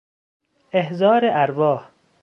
احضار ارواح